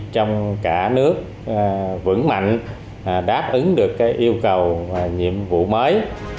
trong cả nước vững mạnh đáp ứng được yêu cầu và nhiệm vụ mới